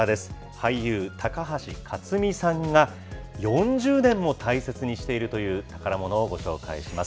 俳優、高橋克実さんが、４０年も大切にしているという宝ものをご紹介します。